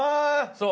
そう。